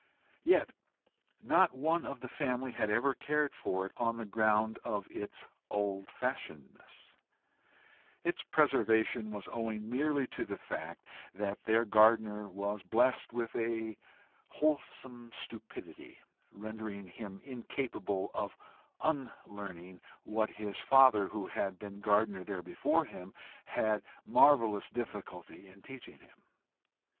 Yet not one of the family had ever cared for it on the ground of its old fashionedness; its preservation was owing merely to the fact that their gardener was blessed with a wholesome stupidity rendering him incapable of unlearning what his father, who had been gardener there before him, had had marvellous difficulty in teaching him.